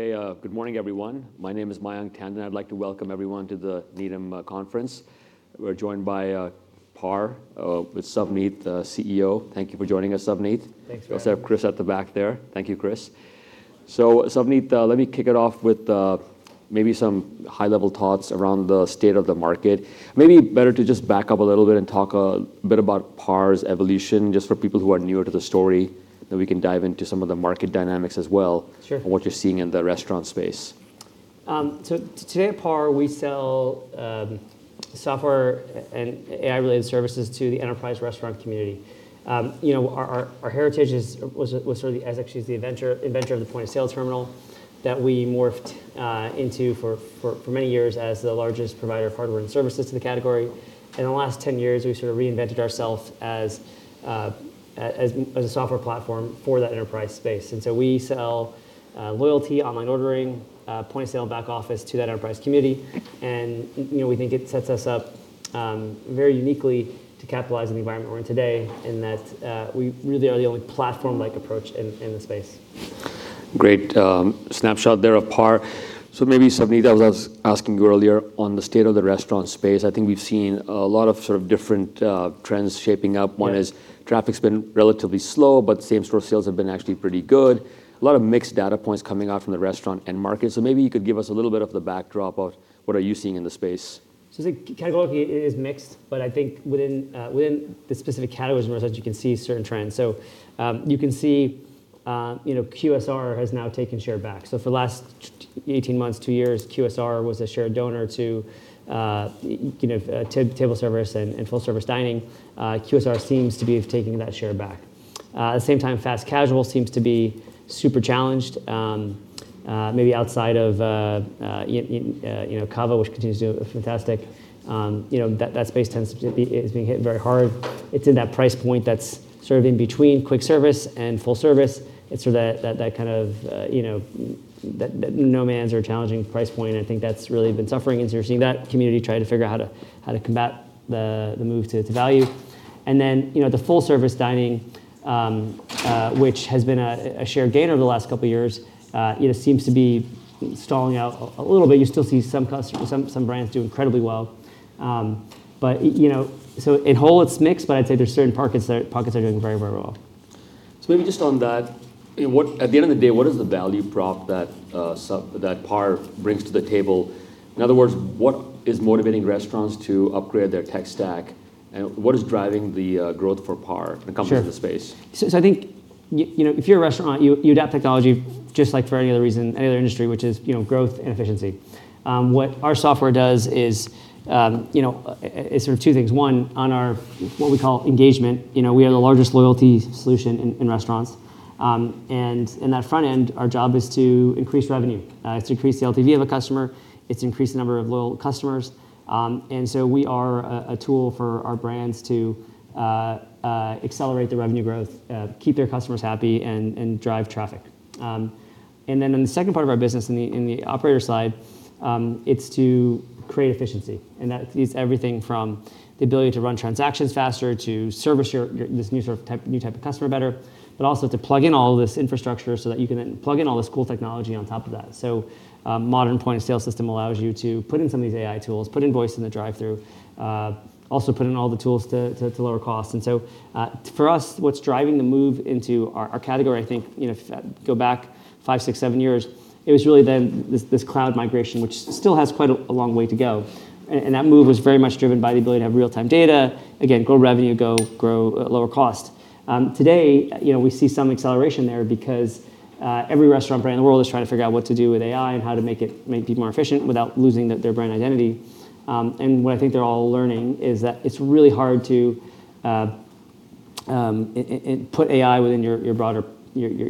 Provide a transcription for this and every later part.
Okay, good morning, everyone. My name is Mayank Tandon. I'd like to welcome everyone to the Needham conference. We're joined by PAR with Savneet, the CEO. Thank you for joining us, Savneet. Thanks for having me. I see Chris at the back there. Thank you, Chris. Savneet, let me kick it off with maybe some high-level thoughts around the state of the market. Maybe better to just back up a little bit and talk a bit about PAR's evolution, just for people who are newer to the story, then we can dive into some of the market dynamics as well. Sure What you're seeing in the restaurant space. Today at PAR, we sell software and AI-related services to the enterprise restaurant community. You know, our heritage was sort of the, actually is the inventor of the point-of-sale terminal that we morphed into for many years as the largest provider of hardware and services to the category. In the last 10 years, we sort of reinvented ourselves as a software platform for that enterprise space. We sell loyalty, online ordering, point-of-sale and back office to that enterprise community. You know, we think it sets us up very uniquely to capitalize on the environment we're in today, in that we really are the only platform-like approach in the space. Great snapshot there of PAR. Maybe Savneet, I was asking you earlier on the state of the restaurant space. I think we've seen a lot of sort of different trends shaping up. Yeah. One is traffic's been relatively slow, but same store sales have been actually pretty good. A lot of mixed data points coming out from the restaurant end market. Maybe you could give us a little bit of the backdrop of what are you seeing in the space? I think categorically it is mixed, but I think within the specific categories, you can see certain trends. You can see, you know, QSR has now taken share back. For the last 18 months, two years, QSR was a share donor to, you know, table service and full-service dining. QSR seems to be taking that share back. At the same time, fast casual seems to be super challenged, maybe outside of, you know, CAVA, which continues to do fantastic. You know, that space is being hit very hard. It's in that price point that's sort of in between quick service and full service. It's sort of that kind of, you know, no man's or challenging price point. I think that's really been suffering. You're seeing that community try to figure out how to combat the move to value. You know, the full service dining, which has been a share gainer over the last couple of years, you know, seems to be stalling out a little bit. You still see some customers, some brands do incredibly well. You know, so in whole it's mixed, but I'd say there's certain pockets that are doing very, very well. Maybe just on that, you know, what at the end of the day, what is the value prop that PAR brings to the table? In other words, what is motivating restaurants to upgrade their tech stack, and what is driving the growth for PAR? Sure When it comes to the space? I think, you know, if you're a restaurant, you adapt technology just like for any other reason, any other industry, which is, you know, growth and efficiency. What our software does is, you know, it's sort of two things. One, on our what we call engagement, you know, we are the largest loyalty solution in restaurants. And in that front end, our job is to increase revenue. It's to increase the LTV of a customer. It's to increase the number of loyal customers. And so we are a tool for our brands to accelerate their revenue growth, keep their customers happy and drive traffic. And then in the second part of our business, in the operator side, it's to create efficiency. That is everything from the ability to run transactions faster, to service your, this new sort of type of customer better. Also to plug in all this infrastructure so that you can then plug in all this cool technology on top of that. A modern point-of-sale system allows you to put in some of these AI tools, put voice in the drive-through, also put in all the tools to lower costs. For us, what's driving the move into our category, I think, you know, if you go back five, six, seven years, it was really then this cloud migration, which still has quite a long way to go. That move was very much driven by the ability to have real-time data. Again, grow revenue, grow at lower cost. Today, you know, we see some acceleration there because every restaurant brand in the world is trying to figure out what to do with AI and how to make people more efficient without losing their brand identity. What I think they're all learning is that it's really hard to put AI within your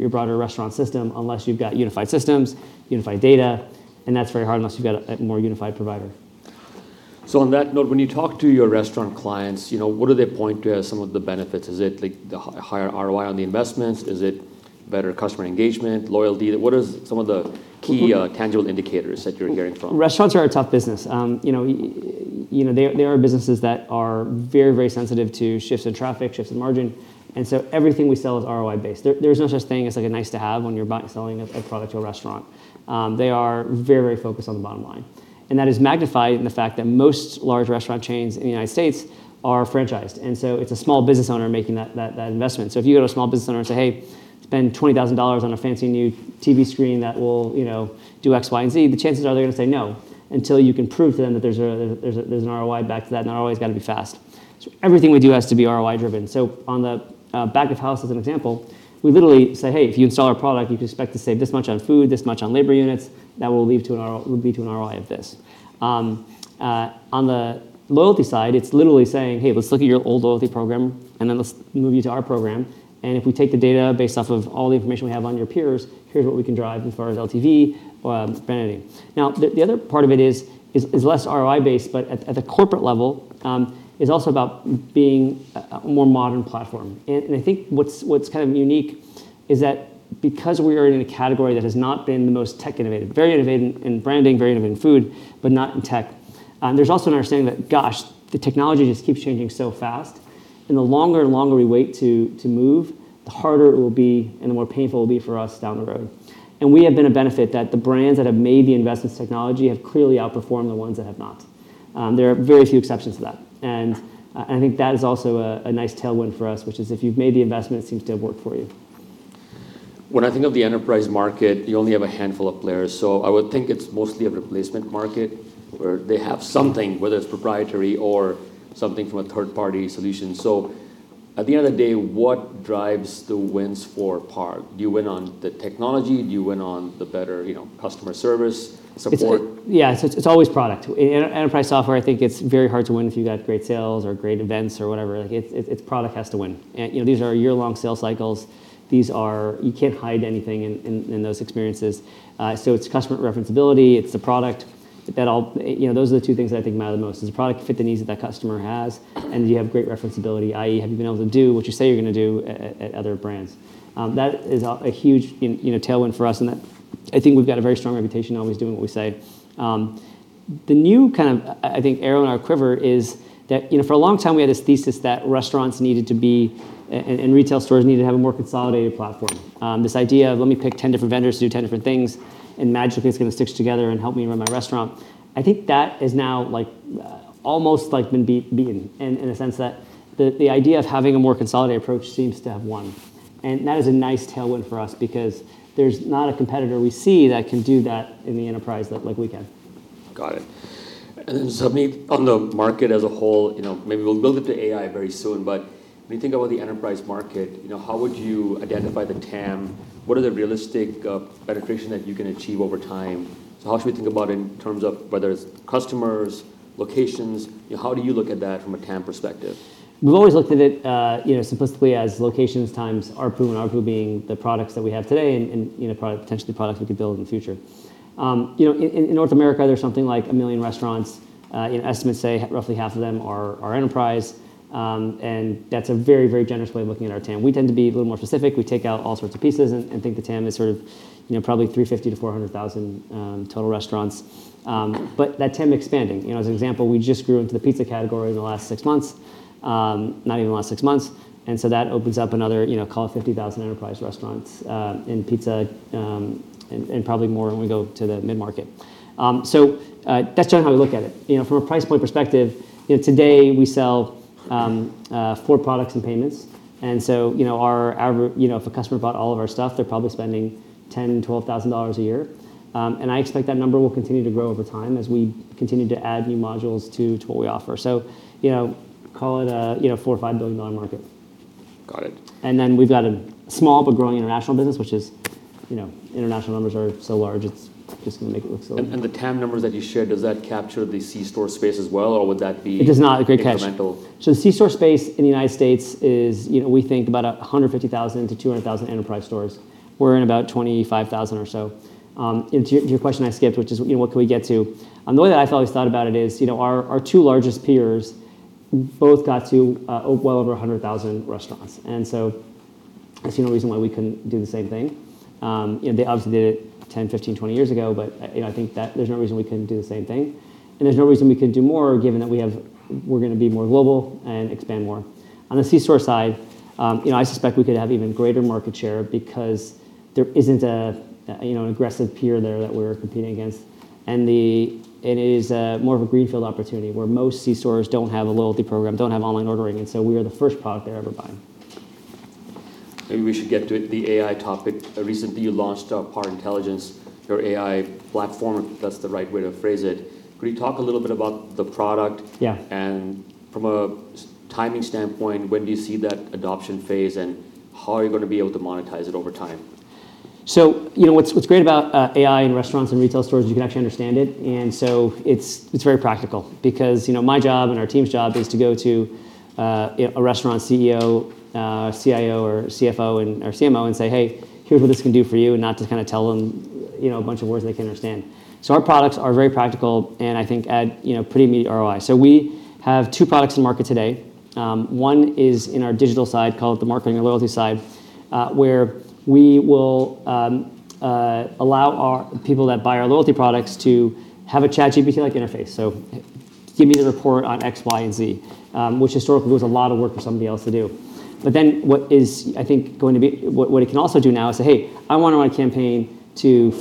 broader restaurant system unless you've got unified systems, unified data, and that's very hard unless you've got a more unified provider. On that note, when you talk to your restaurant clients, you know, what do they point to as some of the benefits? Is it like the higher ROI on the investments? Is it better customer engagement, consumer loyalty? What is some of the key, tangible indicators that you're hearing from? Restaurants are a tough business. You know, they are businesses that are very, very sensitive to shifts in traffic, shifts in margin, and so everything we sell is ROI based. There, there's no such thing as like a nice to have when you're buying, selling a product to a restaurant. They are very focused on the bottom line, and that is magnified in the fact that most large restaurant chains in the United States are franchised. It's a small business owner making that investment. If you go to a small business owner and say, "Hey, spend $20,000 on a fancy new TV screen that will, you know, do X, Y, and Z," the chances are they're going to say no until you can prove to them that there's an ROI back to that, and that ROI's got to be fast. Everything we do has to be ROI driven. On the back of house, as an example, we literally say, "Hey, if you install our product, you can expect to save this much on food, this much on labor units. That will lead to an ROI of this." On the loyalty side, it's literally saying, "Hey, let's look at your old loyalty program, and then let's move you to our program. If we take the data based off of all the information we have on your peers, here's what we can drive as far as LTV spending. The other part of it is less ROI based, but at the corporate level is also about being a more modern platform. I think what's kind of unique is that because we are in a category that has not been the most tech innovative, very innovative in branding, very innovative in food, but not in tech. There's also an understanding that, gosh, the technology just keeps changing so fast, and the longer and longer we wait to move, the harder it will be and the more painful it will be for us down the road. We have been a benefit that the brands that have made the investments technology have clearly outperformed the ones that have not. There are very few exceptions to that. I think that is also a nice tailwind for us, which is if you've made the investment, it seems to have worked for you. When I think of the enterprise market, you only have a handful of players. I would think it's mostly a replacement market where they have something, whether it's proprietary or something from a third-party solution. At the end of the day, what drives the wins for PAR? Do you win on the technology? Do you win on the better, you know, customer service support? It's always product. In enterprise software, I think it's very hard to win if you've got great sales or great events or whatever. Like product has to win. You know, these are year-long sales cycles. You can't hide anything in those experiences. It's customer referenceability, it's the product. You know, those are the two things I think matter the most, is the product can fit the needs that that customer has, and you have great referenceability, i.e., have you been able to do what you say you're gonna do at other brands. That is a huge, you know, tailwind for us that I think we've got a very strong reputation always doing what we say. The new kind of I think arrow in our quiver is that, you know, for a long time we had this thesis that restaurants needed to be, and retail stores needed to have a more consolidated platform. This idea of let me pick ten different vendors to do ten different things, and magically it's gonna stitch together and help me run my restaurant. I think that is now like, almost like been beaten in a sense that the idea of having a more consolidated approach seems to have won. That is a nice tailwind for us because there's not a competitor we see that can do that in the enterprise like we can. Got it. Savneet, on the market as a whole, you know, maybe we'll build up to AI very soon, but when you think about the enterprise market, you know, how would you identify the TAM? What are the realistic penetration that you can achieve over time? How should we think about in terms of whether it's customers, locations? You know, how do you look at that from a TAM perspective? We've always looked at it, you know, simplistically as locations times ARPU, and ARPU being the products that we have today and, potentially products we could build in the future. You know, in North America, there's something like 1 million restaurants. You know, estimates say roughly half of them are enterprise. And that's a very, very generous way of looking at our TAM. We tend to be a little more specific. We take out all sorts of pieces and think the TAM is sort of, you know, probably 350,000-400,000 total restaurants. But that TAM is expanding. You know, as an example, we just grew into the pizza category in the last six months, not even the last six months, and so that opens up another, you know, call it 50,000 enterprise restaurants, in pizza, and probably more when we go to the mid-market. That's generally how we look at it. From a price point perspective, today we sell four products and payments. If a customer bought all of our stuff, they're probably spending $10,000-$12,000 a year. And I expect that number will continue to grow over time as we continue to add new modules to what we offer. Call it a $4 billion-$5 billion market. Got it. We've got a small but growing international business, which is, you know, international numbers are so large, it's just gonna make it look. The TAM numbers that you shared, does that capture the C-store space as well? It does not. Great catch. Incremental? The C-store space in the United States. is, you know, we think about 150,000-200,000 enterprise stores. We're in about 25,000 or so. To your question I skipped, which is, you know, what can we get to? The way that I've always thought about it is, you know, our two largest peers both got to well over 100,000 restaurants. I see no reason why we couldn't do the same thing. You know, they obviously did it 10, 15, 20 years ago, but, you know, I think that there's no reason we couldn't do the same thing. There's no reason we couldn't do more given that we're gonna be more global and expand more. On the C-store side, you know, I suspect we could have even greater market share because there isn't a, you know, an aggressive peer there that we're competing against. It is more of a greenfield opportunity, where most C-stores don't have a loyalty program, don't have online ordering, and so we are the first product they're ever buying. Maybe we should get to it, the AI topic. Recently, you launched PAR Intelligence, your AI platform, if that's the right way to phrase it. Could you talk a little bit about the product? Yeah. From a timing standpoint, when do you see that adoption phase, and how are you gonna be able to monetize it over time? You know, what's great about AI in restaurants and retail stores is you can actually understand it. It's very practical because, you know, my job and our team's job is to go to a restaurant CEO, CIO or CFO or CMO and say, "Hey, here's what this can do for you," and not just kind of tell them, you know, a bunch of words they can't understand. Our products are very practical and I think add, you know, pretty immediate ROI. We have two products in market today. One is in our digital side called the marketing and loyalty side, where we will allow our people that buy our loyalty products to have a ChatGPT-like interface. Give me the report on X, Y, and Z, which historically was a lot of work for somebody else to do. What it can also do now is say, "Hey, I want to run a campaign to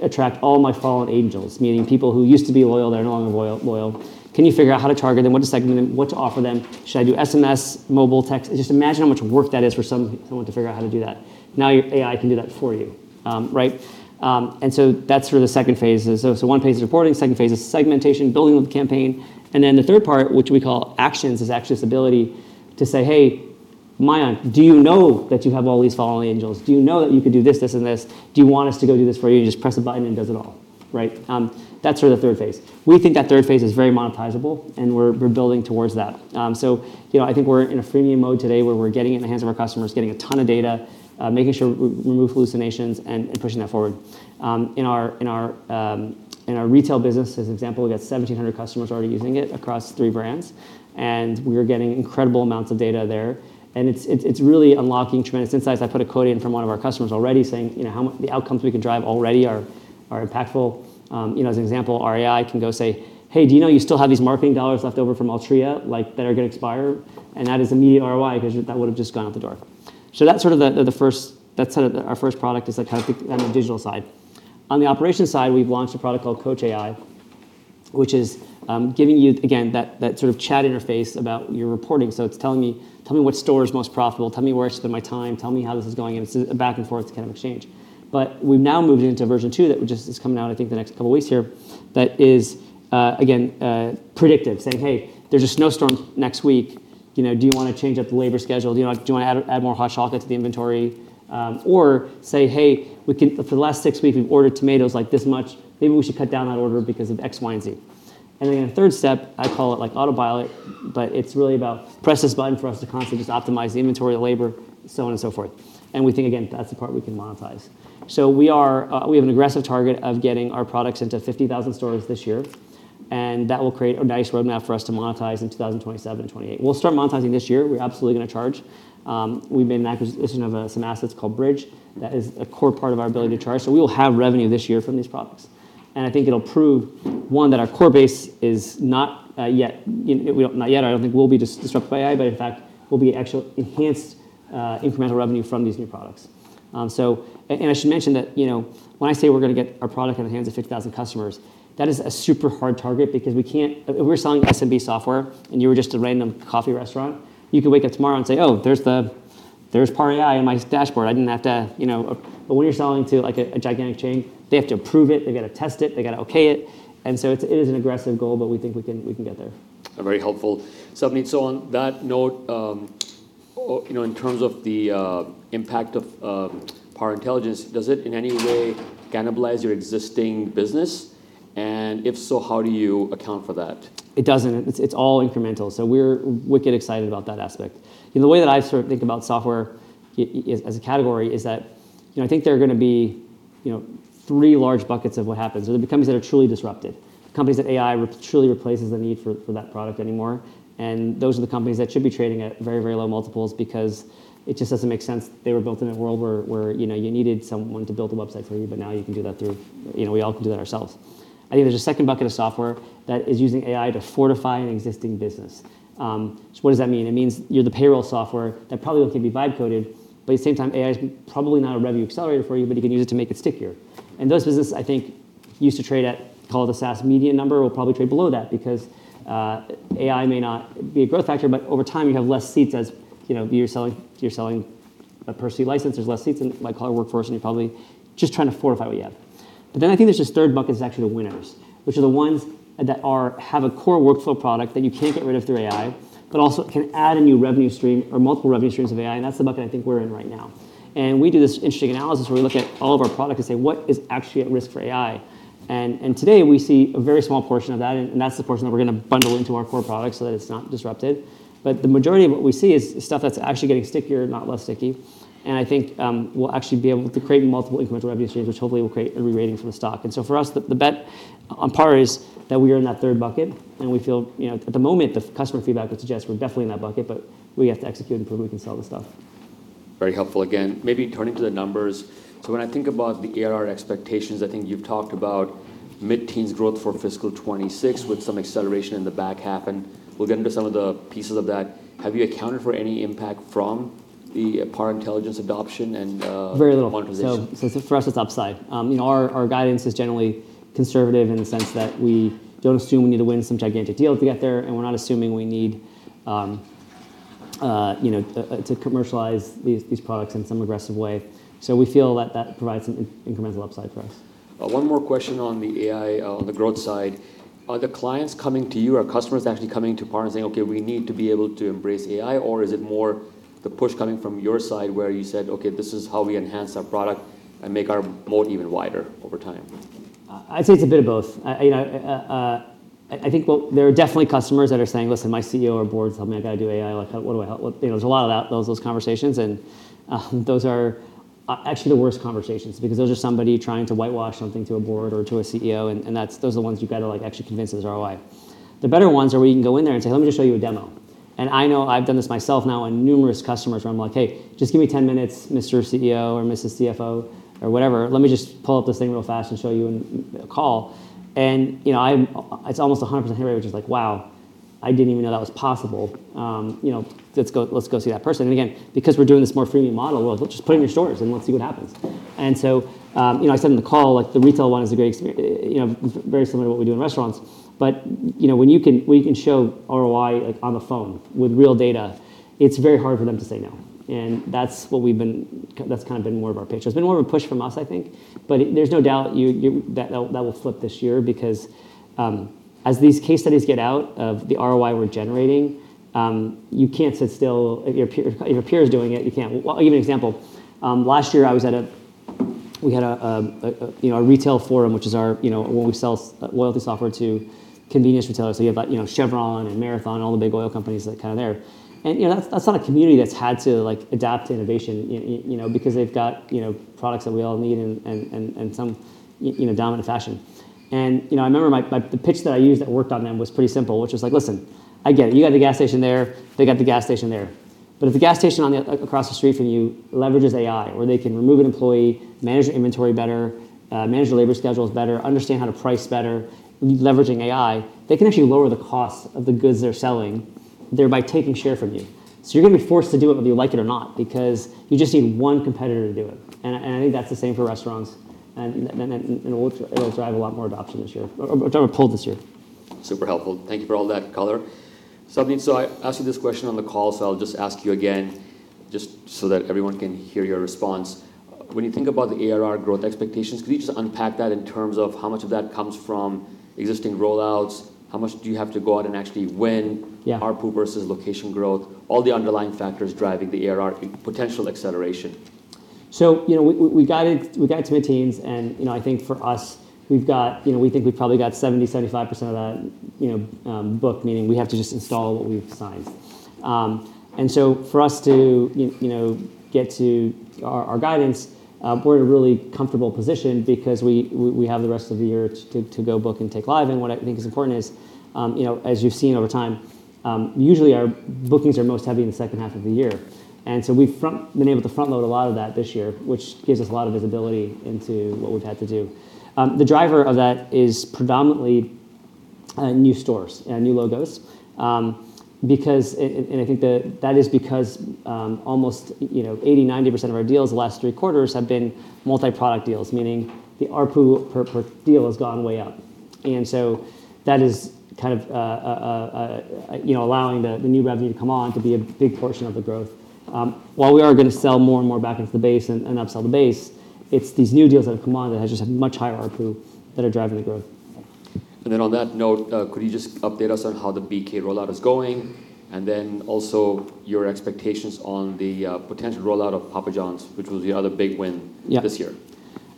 attract all my fallen angels," meaning people who used to be loyal, they're no longer loyal. Can you figure out how to target them? What to segment them? What to offer them? Should I do SMS, mobile text? Just imagine how much work that is for someone to figure out how to do that. Now your AI can do that for you. Right? That's sort of the second phase. One phase is reporting, second phase is segmentation, building the campaign, and then the third part, which we call actions, is actually this ability to say, "Hey, Mayank, do you know that you have all these fallen angels? Do you know that you could do this, and this? Do you want us to go do this for you?" You just press a button and it does it all, right? That's sort of the third phase. We think that third phase is very monetizable, and we're building towards that. You know, I think we're in a freemium mode today where we're getting it in the hands of our customers, getting a ton of data, making sure we remove hallucinations and pushing that forward. In our retail business, as an example, we've got 1,700 customers already using it across three brands, and we are getting incredible amounts of data there. It's really unlocking tremendous insights. I put a quote in from one of our customers already saying, you know, the outcomes we can drive already are impactful. You know, as an example, our AI can go say, "Hey, do you know you still have these marketing dollars left over from Altria, like, that are gonna expire?" That is immediate ROI because that would've just gone out the door. That's sort of our first product is like how to pick on the digital side. On the operations side, we've launched a product called Coach AI, which is giving you again that sort of chat interface about your reporting. It's telling me, "Tell me what store is most profitable, tell me where I should spend my time, tell me how this is going." It's a back and forth kind of exchange. We've now moved into version two that just is coming out, I think the next two weeks here, that is again predictive, saying, "Hey, there's a snowstorm next week. You know, do you wanna change up the labor schedule? You know, do you wanna add more hot chocolate to the inventory?" Or say, "Hey, for the last six weeks, we've ordered tomatoes like this much. Maybe we should cut down that order because of X, Y, and Z. Then in the third step, I call it like autopilot, but it's really about press this button for us to constantly just optimize the inventory, the labor, so on and so forth. We think, again, that's the part we can monetize. We have an aggressive target of getting our products into 50,000 stores this year, and that will create a nice roadmap for us to monetize in 2027 and 2028. We'll start monetizing this year. We're absolutely gonna charge. We've made an acquisition of some assets called Bridg. That is a core part of our ability to charge. We will have revenue this year from these products. I think it'll prove, one, that our core base is not, yet, you know, I don't think we'll be disrupted by AI, but in fact we'll be actual enhanced, incremental revenue from these new products. I should mention that, you know, when I say we're gonna get our product in the hands of 50,000 customers, that is a super hard target because if we're selling SMB software and you were just a random coffee restaurant, you could wake up tomorrow and say, "Oh, there's PAR AI in my dashboard. I didn't have to" You know. When you're selling to like a gigantic chain, they have to approve it, they gotta test it, they gotta okay it. It is an aggressive goal, but we think we can, we can get there. Very helpful. I mean, on that note, you know, in terms of the impact of PAR Intelligence, does it in any way cannibalize your existing business? If so, how do you account for that? It doesn't. It's all incremental. We get excited about that aspect. You know, the way that I sort of think about software as a category is that, you know, I think there are gonna be, you know, three large buckets of what happens. There are companies that are truly disrupted, companies that AI truly replaces the need for that product anymore. Those are the companies that should be trading at very low multiples because it just doesn't make sense. They were built in a world where, you know, you needed someone to build a website for you, but now we all can do that ourselves. I think there's a second bucket of software that is using AI to fortify an existing business. What does that mean? It means you're the payroll software that probably can be vibe coded, but at the same time, AI's probably not a revenue accelerator for you, but you can use it to make it stickier. Those businesses, I think, used to trade at, call it a SaaS median number, will probably trade below that because AI may not be a growth factor, but over time you have less seats as, you know, you're selling a per seat license. There's less seats in like our workforce, you're probably just trying to fortify what you have. I think there's this third bucket that's actually the winners, which are the ones that have a core workflow product that you can't get rid of through AI, but also can add a new revenue stream or multiple revenue streams of AI. That's the bucket I think we're in right now. We do this interesting analysis where we look at all of our product and say, "What is actually at risk for AI?" Today we see a very small portion of that, and that's the portion that we're gonna bundle into our core product so that it's not disrupted. The majority of what we see is stuff that's actually getting stickier, not less sticky. I think we'll actually be able to create multiple incremental revenue streams, which hopefully will create a rerating for the stock. For us, the bet on PAR is that we are in that third bucket, and we feel, you know, at the moment the customer feedback would suggest we're definitely in that bucket, but we have to execute and prove we can sell the stuff. Very helpful again. Maybe turning to the numbers. When I think about the ARR expectations, I think you've talked about mid-teens growth for fiscal 2026 with some acceleration in the back half, and we'll get into some of the pieces of that. Have you accounted for any impact from the PAR Intelligence adoption and, Very little. monetization? For us, it's upside. You know, our guidance is generally conservative in the sense that we don't assume we need to win some gigantic deals to get there. We're not assuming we need, you know, to commercialize these products in some aggressive way. We feel that provides some incremental upside for us. One more question on the AI, on the growth side. Are the clients coming to you? Are customers actually coming to PAR and saying, "Okay, we need to be able to embrace AI"? Or is it more the push coming from your side where you said, "Okay, this is how we enhance our product and make our moat even wider over time"? I'd say it's a bit of both. You know, there are definitely customers that are saying, "Listen, my CEO or Board is telling me I gotta do AI. Like, how?" You know, there's a lot of that, those conversations and those are actually the worst conversations because those are somebody trying to whitewash something to a board or to a CEO and those are the ones you've gotta like actually convince there's ROI. The better ones are where you can go in there and say, "Let me just show you a demo." I know I've done this myself now on numerous customers where I'm like, "Hey, just give me 10 minutes, Mr. CEO or Mrs. CFO or whatever. Let me just pull up this thing real fast and show you in a call. You know, it's almost a 100% rate, which is like, "Wow, I didn't even know that was possible. You know, let's go see that person. Again, because we're doing this more freemium model, well, let's just put it in your stores and we'll see what happens. You know, I said in the call, like the retail one is a great experience, you know, very similar to what we do in restaurants, but, you know, when you can, when you can show ROI like on the phone with real data, it's very hard for them to say no. That's kind of been more of our pitch. There's been more of a push from us, I think. There's no doubt that will flip this year because as these case studies get out of the ROI we're generating, you can't sit still. If your peer is doing it, you can't. Well, I'll give you an example. Last year we had a retail forum, which is our, you know, when we sell loyalty software to convenience retailers. You have like, you know, Chevron and Marathon, all the big oil companies like kind of there. You know, that's not a community that's had to like adapt to innovation, you know, because they've got, you know, products that we all need in some, you know, dominant fashion. You know, I remember my the pitch that I used that worked on them was pretty simple, which was like, "Listen, I get it. You got the gas station there. They got the gas station there. If the gas station on the, like across the street from you leverages AI, where they can remove an employee, manage their inventory better, manage their labor schedules better, understand how to price better, leveraging AI, they can actually lower the cost of the goods they're selling. They're by taking share from you." You're gonna be forced to do it whether you like it or not, because you just need one competitor to do it. I think that's the same for restaurants. It will drive a lot more adoption this year or drive a pull this year. Super helpful. Thank you for all that color. I asked you this question on the call, I'll just ask you again just so that everyone can hear your response. When you think about the ARR growth expectations, could you just unpack that in terms of how much of that comes from existing rollouts? How much do you have to go out and actually win- Yeah. ARPU versus location growth, all the underlying factors driving the ARR potential acceleration. You know, we guided to the teens, and, you know, I think for us, you know, we think we've probably got 70%-75% of that, you know, book, meaning we have to just install what we've signed. For us to, you know, get to our guidance, we're in a really comfortable position because we have the rest of the year to go book and take live. What I think is important is, you know, as you've seen over time, usually our bookings are most heavy in the second half of the year. We've been able to front-load a lot of that this year, which gives us a lot of visibility into what we've had to do. The driver of that is predominantly new stores and new logos, that is because, almost, you know, 80%-90% of our deals the last three quarters have been multi-product deals, meaning the ARPU per deal has gone way up. That is kind of, you know, allowing the new revenue to come on to be a big portion of the growth. While we are gonna sell more and more back into the base and upsell the base, it's these new deals that have come on that has just had much higher ARPU that are driving the growth. On that note, could you just update us on how the BK rollout is going? Also your expectations on the potential rollout of Papa John's, which was the other big win? Yeah. This year.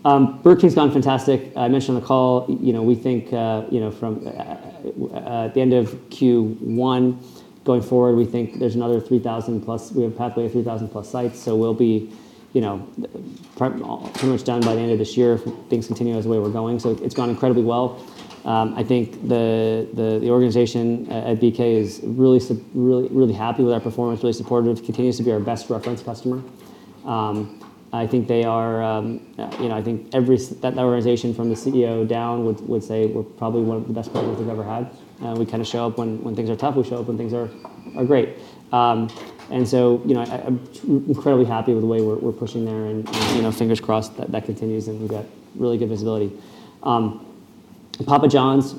Burger King's gone fantastic. I mentioned on the call, you know, we think, you know, from, at the end of Q1 going forward, we think there's another 3,000+, we have a pathway of 3,000+ sites, so we'll be, you know, pretty much done by the end of this year if things continue as the way we're going. It's gone incredibly well. I think the, the organization at BK is really, really happy with our performance, really supportive, continues to be our best reference customer. I think they are, you know, I think every that organization from the CEO down would say we're probably one of the best partners they've ever had. We kinda show up when things are tough, we show up when things are great. You know, I'm incredibly happy with the way we're pushing there and, you know, fingers crossed that that continues, and we've got really good visibility. Papa John's,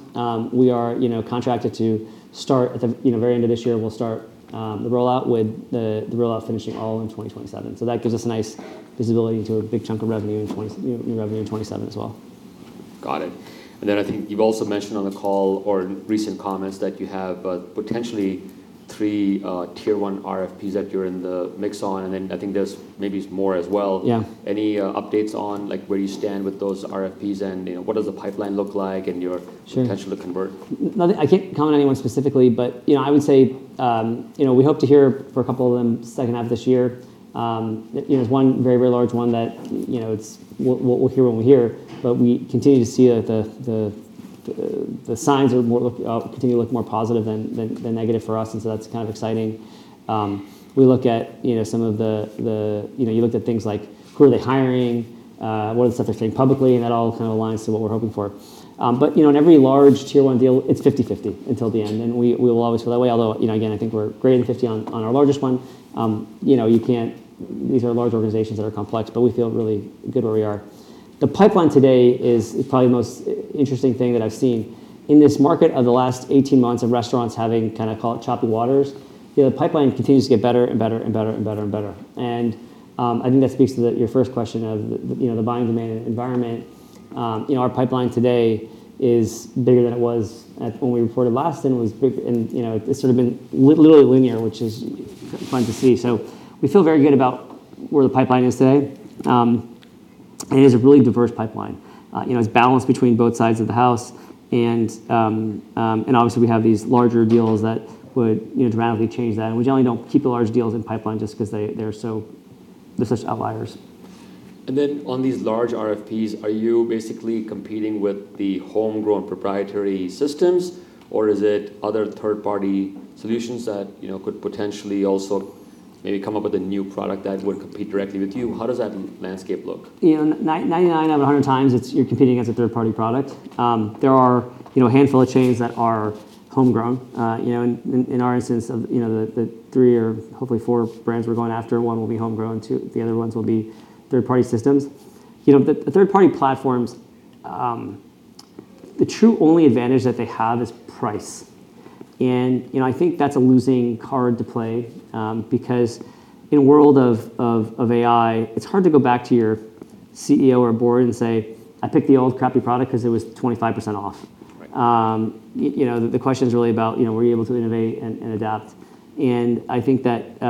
we are, you know, contracted to start at the, you know, very end of this year. We'll start the rollout with the rollout finishing all in 2027. That gives us a nice visibility into a big chunk of revenue in new revenue in 27 as well. Got it. I think you've also mentioned on the call or in recent comments that you have, potentially three, tier 1 RFPs that you're in the mix on, and then I think there's maybe more as well. Yeah. Any updates on, like, where you stand with those RFPs and, you know, what does the pipeline look like? Sure. Potential to convertible? I can't comment on anyone specifically, but, you know, I would say, you know, we hope to hear for a couple of them second half of this year. You know, there's one very, very large one that, you know, we'll hear when we hear, but we continue to see that the signs continue to look more positive than negative for us, and so that's kind of exciting. We look at, you know, some of the, you know, you looked at things like who are they hiring, what are the stuff they're saying publicly, and that all kind of aligns to what we're hoping for. You know, in every large tier 1 deal, it's 50/50 until the end, and we will always feel that way. Although, you know, again, I think we're greater than 50 on our largest one. You know, these are large organizations that are complex, but we feel really good where we are. The pipeline today is probably the most interesting thing that I've seen. In this market of the last 18 months of restaurants having kind of call it choppy waters, you know, the pipeline continues to get better and better and better and better and better. I think that speaks to your first question of, you know, the buying demand environment. You know, our pipeline today is bigger than it was at when we reported last, and, you know, it's sort of been literally linear, which is fun to see. We feel very good about where the pipeline is today. It is a really diverse pipeline. You know, it's balanced between both sides of the house and obviously, we have these larger deals that would, you know, dramatically change that. We generally don't keep the large deals in pipeline just 'cause they're such outliers. On these large RFPs, are you basically competing with the homegrown proprietary systems, or is it other third-party solutions that, you know, could potentially also maybe come up with a new product that would compete directly with you? How does that landscape look? You know, 99 out of 100 times, it's you're competing against a third-party product. There are, you know, a handful of chains that are homegrown. You know, in our instance of, you know, the three or hopefully four brands we're going after, one will be homegrown, two, the other ones will be third-party systems. You know, the third-party platforms, the true only advantage that they have is price. You know, I think that's a losing card to play because in a world of AI, it's hard to go back to your CEO or board and say, "I picked the old crappy product 'cause it was 25% off. You know, the question is really about, you know, were you able to innovate and adapt? I think that's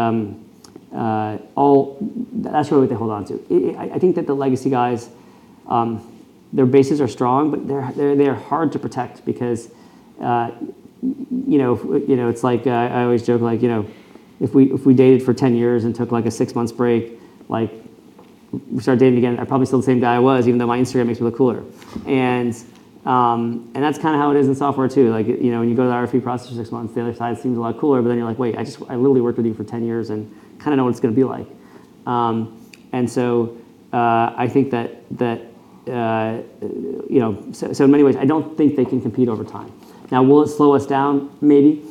really what they hold on to. I think that the legacy guys, their bases are strong, but they're, they are hard to protect because, you know, you know, it's like, I always joke like, you know, if we, if we dated for 10 years and took like a six months break, like we start dating again, I'm probably still the same guy I was, even though my Instagram makes me look cooler. That's kinda how it is in software too. Like, you know, when you go to the RFP process for six months, the other side seems a lot cooler, but then you're like, "Wait, I literally worked with you for 10 years and kinda know what it's gonna be like." I think that, you know So in many ways, I don't think they can compete over time. Now, will it slow us down? Maybe.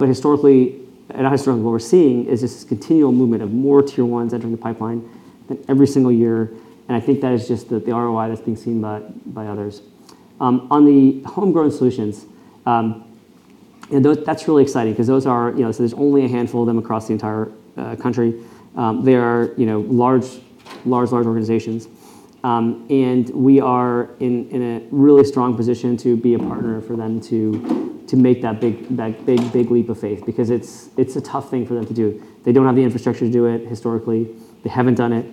Historically, and not historically, what we're seeing is this continual movement of more tier 1s entering the pipeline, like, every single year, I think that is just the ROI that's being seen by others. On the homegrown solutions, you know, that's really exciting because those are, you know, so there's only a handful of them across the entire country. They are, you know, large, large organizations. We are in a really strong position to be a partner for them to make that big leap of faith because it's a tough thing for them to do. They don't have the infrastructure to do it historically. They haven't done it.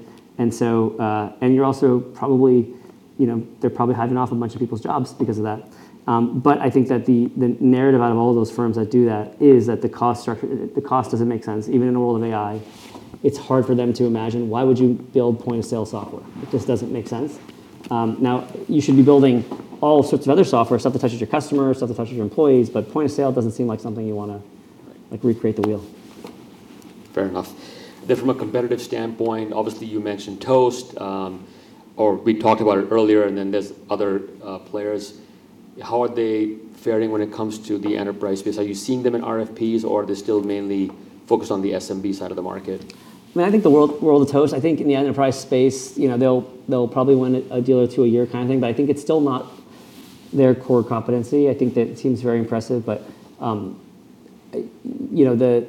You're also probably, you know, they're probably having to offer a bunch of people's jobs because of that. I think that the narrative out of all those firms that do that is that the cost structure, the cost doesn't make sense. Even in a world of AI, it's hard for them to imagine why would you build point-of-sale software. It just doesn't make sense. Now you should be building all sorts of other software, stuff that touches your customers, stuff that touches your employees. Point-of-sale doesn't seem like something you wanna recreate the wheel. Fair enough. From a competitive standpoint, obviously you mentioned Toast, or we talked about it earlier, and then there's other players. How are they faring when it comes to the enterprise space? Are you seeing them in RFPs, or are they still mainly focused on the SMB side of the market? I mean, I think the world of Toast, I think in the enterprise space, you know, they'll probably win a deal or two a year kind of thing, I think it's still not their core competency. I think that seems very impressive. You know,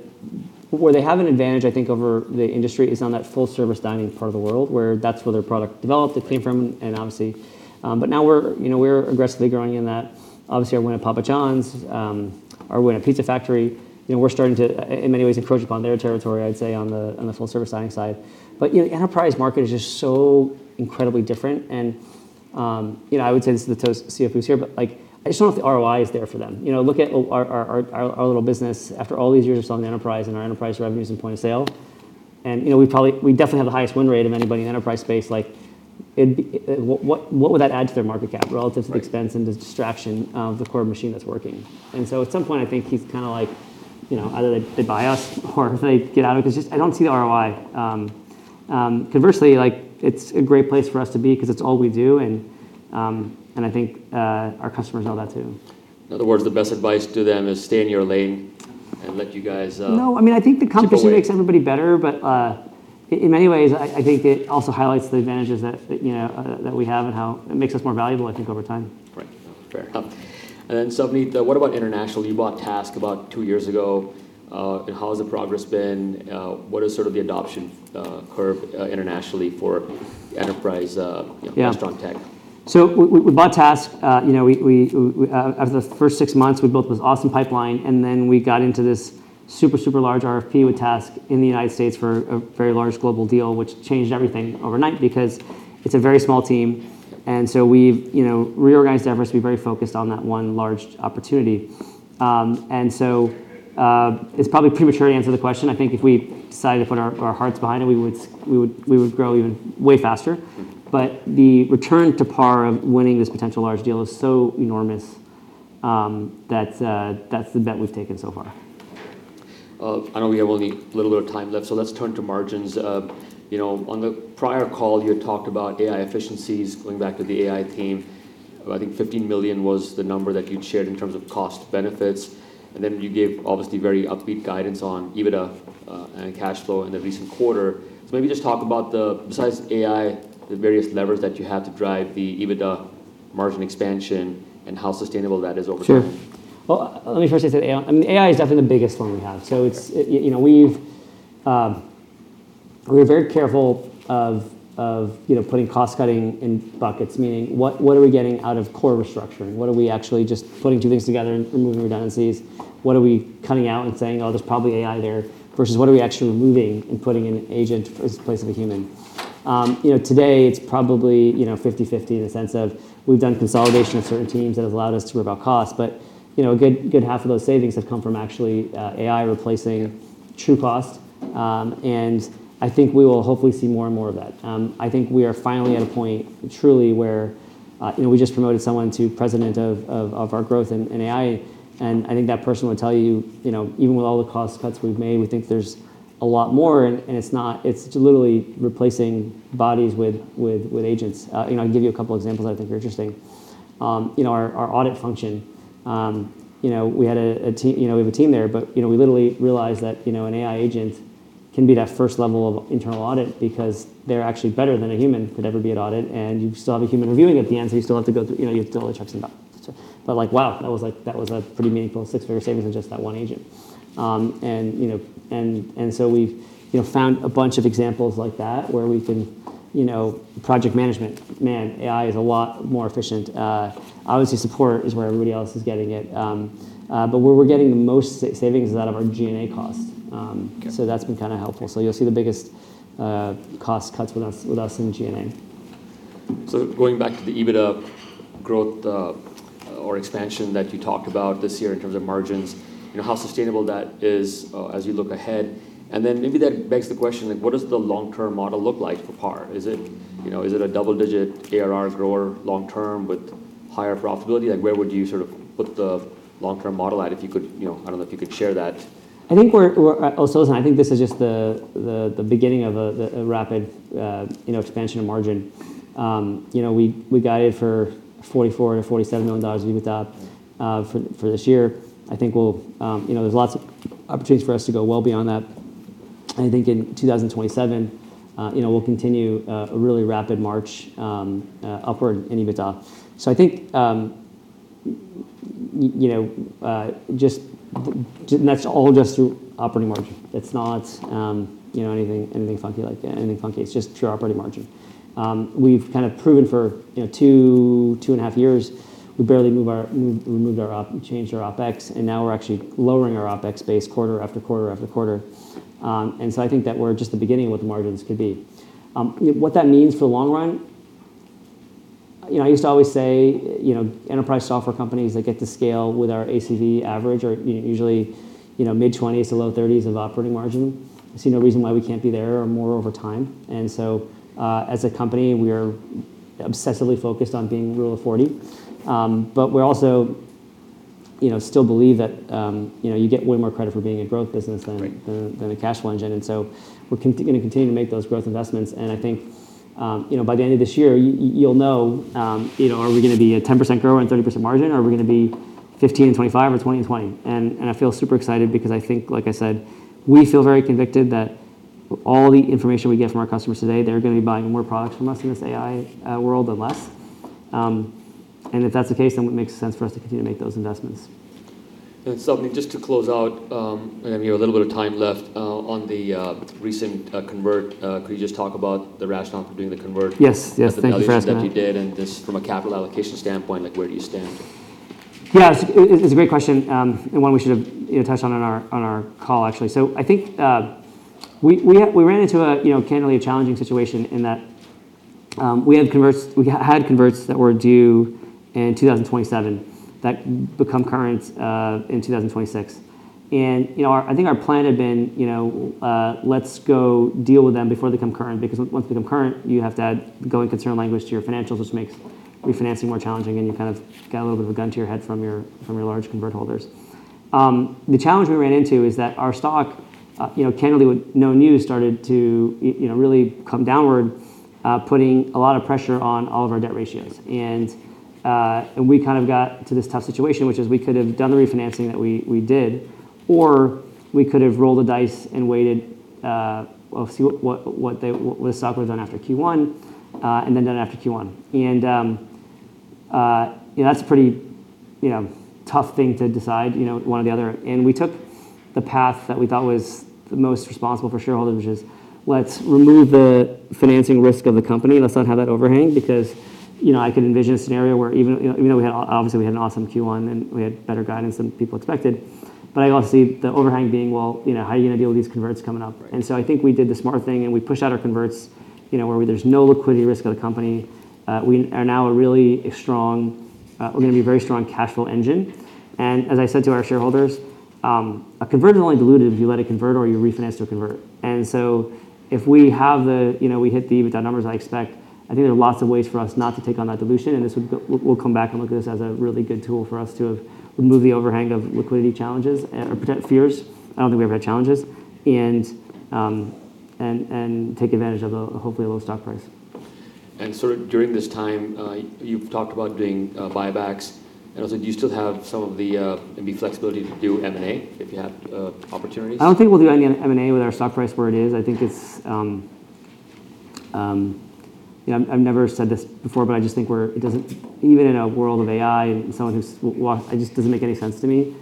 where they have an advantage, I think, over the industry is on that full-service dining part of the world where that's where their product developed, it came from, and obviously. Now we're, you know, we're aggressively growing in that. Obviously, our win at Papa John's, our win at Pizza Factory, you know, we're starting to in many ways encroach upon their territory, I'd say, on the full-service dining side. You know, the enterprise market is just so incredibly different and, you know, I would say this to the Toast, I just don't know if the ROI is there for them. You know, look at our little business after all these years of selling the enterprise and our enterprise revenues and point of sale, and, you know, we definitely have the highest win rate of anybody in the enterprise space. Like, what would that add to their market cap relative to the expense and the distraction of the core machine that's working? At some point, I think he's kinda like, you know, either they buy us or they get out of it 'cause just I don't see the ROI. Conversely, like, it's a great place for us to be 'cause it's all we do and I think our customers know that too. In other words, the best advice to them is stay in your lane and let you guys. No, I mean, I think the competition makes everybody better, but, in many ways, I think it also highlights the advantages that, you know, that we have and how it makes us more valuable, I think, over time. Right. Fair. Savneet, what about international? You bought TASK about two years ago, how has the progress been? What is sort of the adoption curve internationally for enterprise, you know, restaurant tech? We bought TASK, you know, we After the first six months, we built this awesome pipeline, then we got into this super large RFP with TASK in the United States for a very large global deal, which changed everything overnight because it's a very small team, we've, you know, reorganized efforts to be very focused on that one large opportunity. It's probably premature to answer the question. I think if we decided to put our hearts behind it, we would grow even way faster. The return to PAR of winning this potential large deal is so enormous, that that's the bet we've taken so far. I know we have only a little bit of time left, let's turn to margins. You know, on the prior call, you had talked about AI efficiencies going back to the AI team. I think $15 million was the number that you'd shared in terms of cost benefits, you gave obviously very upbeat guidance on EBITDA and cash flow in the recent quarter. Maybe just talk about the, besides AI, the various levers that you have to drive the EBITDA margin expansion and how sustainable that is over time. Sure. Let me first say that AI, I mean, AI is definitely the biggest one we have. It's, you know, we've, we're very careful of, you know, putting cost-cutting in buckets, meaning what are we getting out of core restructuring? What are we actually just putting two things together and removing redundancies? What are we cutting out and saying, "Oh, there's probably AI there," versus what are we actually removing and putting an agent in place of a human? You know, today it's probably, you know, 50/50 in the sense of we've done consolidation of certain teams that has allowed us to rip out costs. You know, a good half of those savings have come from actually, AI replacing true cost. I think we will hopefully see more and more of that. I think we are finally at a point truly where, you know, we just promoted someone to President of our growth in AI, and I think that person would tell you know, even with all the cost cuts we've made, we think there's a lot more and it's literally replacing bodies with agents. You know, I'll give you a couple examples I think are interesting. You know, our audit function, you know, we had a team, you know, we have a team there, but, you know, we literally realized that, you know, an AI agent can be that first level of internal audit because they're actually better than a human could ever be at audit, and you still have a human reviewing at the end, so you still have to go through, you know, you have to double check some documents. Like, wow, that was like, that was a pretty meaningful six-figure savings in just that one agent. You know, and so we've, you know, found a bunch of examples like that where we can, you know, project management, man, AI is a lot more efficient. Obviously support is where everybody else is getting it. Where we're getting the most savings is out of our G&A costs. That's been kind of helpful. You'll see the biggest cost cuts with us in G&A. Going back to the EBITDA growth, or expansion that you talked about this year in terms of margins, you know, how sustainable that is as you look ahead. Maybe that begs the question, like, what does the long-term model look like for PAR? Is it, you know, is it a double-digit ARR grower long term with higher profitability, like where would you sort of put the long-term model at if you could, you know, I don't know if you could share that. I think we're also, I think this is just the beginning of a rapid, you know, expansion of margin. You know, we guided for $44 million-$47 million EBITDA for this year. I think we'll, you know, there's lots of opportunities for us to go well beyond that. I think in 2027, you know, we'll continue a really rapid march upward in EBITDA. I think, you know, and that's all just through operating margin. It's not, you know, anything funky like that. It's just through operating margin. We've kind of proven for, you know, two and a half years, we barely changed our OpEx, and now we're actually lowering our OpEx base quarter after quarter after quarter. I think that we're just the beginning of what the margins could be. You know, what that means for the long run, you know, I used to always say, you know, enterprise software companies that get to scale with our ACV average are usually, you know, mid-20s to low 30s of operating margin. I see no reason why we can't be there or more over time. As a company, we are obsessively focused on being Rule of 40. We also, you know, still believe that, you know, you get way more credit for being a growth business than- Right than a cash flow engine. We're gonna continue to make those growth investments. I think, you know, by the end of this year, you'll know, you know, are we gonna be a 10% grower and 30% margin, or are we gonna be 15% and 25% or 20% and 20%? I feel super excited because I think, like I said, we feel very convicted that all the information we get from our customers today, they're gonna be buying more products from us in this AI world than less. If that's the case, then it makes sense for us to continue to make those investments. Savneet, just to close out, we have a little bit of time left on the recent convertible. Could you just talk about the rationale for doing the convertible? Yes. Yes. Thank you for asking that. The valuations that you did, and just from a capital allocation standpoint, like where do you stand? Yeah, it's a great question, one we should have, you know, touched on in our, on our call, actually. I think, we ran into a, you know, candidly a challenging situation in that, we had converts, we had converts that were due in 2027 that become current in 2026. You know, I think our plan had been, you know, let's go deal with them before they come current, because once they become current, you have to add going concern language to your financials, which makes refinancing more challenging, and you kind of got a little bit of a gun to your head from your, from your large convertible holders. The challenge we ran into is that our stock, you know, candidly with no news, started to, you know, really come downward, putting a lot of pressure on all of our debt ratios. We kind of got to this tough situation, which is we could have done the refinancing that we did, or we could have rolled the dice and waited, well, see what the stock would've done after Q1, and then done it after Q1. You know, that's a pretty, you know, tough thing to decide, you know, one or the other. We took the path that we thought was the most responsible for shareholders, which is let's remove the financing risk of the company. Let's not have that overhang because, you know, I could envision a scenario where even, you know, even though we had obviously we had an awesome Q1 and we had better guidance than people expected, but I also see the overhang being, well, you know, how are you gonna deal with these converts coming up? Right. I think we did the smart thing and we pushed out our converts, you know, where there's no liquidity risk of the company. We are now a really strong, we're gonna be a very strong cash flow engine. As I said to our shareholders, a convertible is only diluted if you let it convert or you refinance to a convertible. If we, you know, hit the EBITDA numbers I expect, I think there are lots of ways for us not to take on that dilution. We'll come back and look at this as a really good tool for us to have removed the overhang of liquidity challenges or potential fears, I don't think we ever had challenges, and take advantage of the hopefully low stock price. Sort of during this time, you've talked about doing buybacks, and also do you still have some of the maybe flexibility to do M&A if you have opportunities? I don't think we'll do any M&A with our stock price where it is. I think it's, you know, I've never said this before, I just think it doesn't even in a world of AI and someone who's it just doesn't make any sense to me.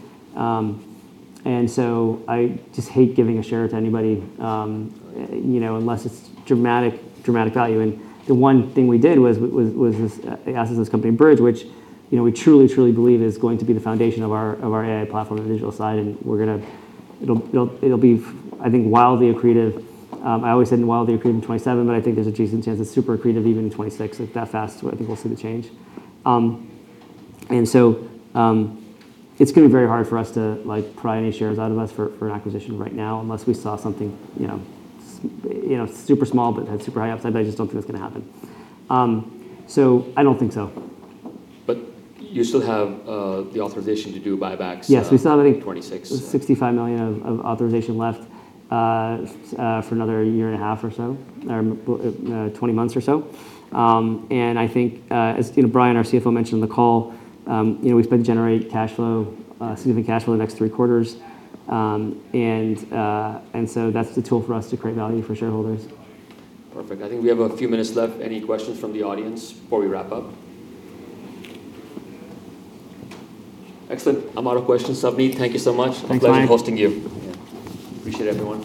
I just hate giving a share to anybody, you know, unless it's dramatic value. The one thing we did was this [assets as company] Bridg, which, you know, we truly believe is going to be the foundation of our AI platform on the digital side. We're gonna It'll be I think, wildly accretive. I always said wildly accretive in 2027, I think there's a decent chance it's super accretive even in 2026. That fast, I think we'll see the change. It's going to be very hard for us to like pry any shares out of us for an acquisition right now unless we saw something, you know, super small but had super high upside, but I just don't think that's going to happen. I don't think so. You still have the authorization to do buybacks. Yes, we still have I think. '26 $65 million of authorization left for another year and a half or so, or 20 months or so. I think, as, you know, Bryan, our CFO, mentioned the call, you know, we expect to generate cash flow, significant cash flow the next three quarters. That's the tool for us to create value for shareholders. Perfect. I think we have a few minutes left. Any questions from the audience before we wrap up? Excellent. I'm out of questions. Savneet, thank you so much. Any time. A pleasure hosting you. Yeah. Appreciate everyone.